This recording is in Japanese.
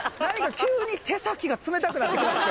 急に手先が冷たくなってきまして。